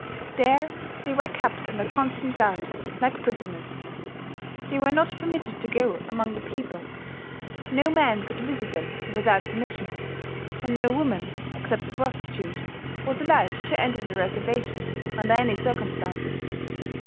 There they were kept under constant guard, like prisoners; they were not permitted to go among the people; no man could visit them without permission, and no woman, except a prostitute, was allowed to enter their reservation under any circumstances.